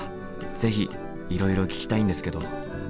ぜひいろいろ聞きたいんですけど。